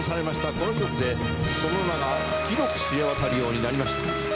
この曲でその名が広く知れ渡るようになりました。